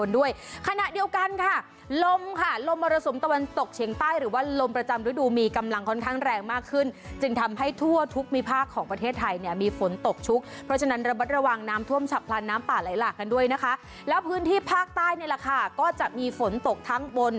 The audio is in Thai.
ด้วยขณะเดียวกันค่ะลมค่ะลมมรสมตะวันตกเฉียงใต้หรือว่าลมประจำรูดูมีกำลังค่อนข้างแรงมากขึ้นจึงทำให้ทั่วทุกมีภาคของประเทศไทยเนี่ยมีฝนตกชุกเพราะฉะนั้นระบัดระวังน้ำท่วมฉับพลานน้ำป่าไหลหลากกันด้วยนะคะแล้วพื้นที่ภาคใต้นี่แหละค่ะก็จะมีฝนตกทั้งบ